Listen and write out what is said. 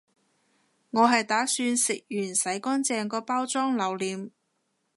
我係打算食完洗乾淨個包裝留念